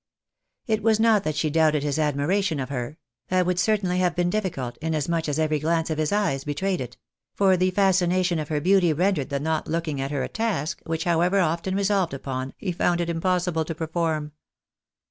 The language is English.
It was not that she doubted his admiration of her — ^that would certainly have been difficult, inasmuch as every glance of his eyes betrayed it ; for the fascination of her beauty rendered the not looking at her a task, which, however often resolved upon, he found it impossible to perform.